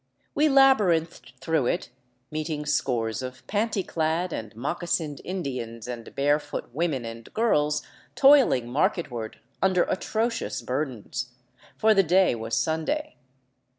We labyrinthed through it, meeting scores of panty clad and moccasined Indians and barefoot women and girls toiling marketward under atrocious bur dens ; for the day was Sunday.